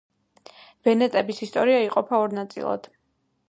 ვენეტების ისტორია იყოფა ორ ნაწილად.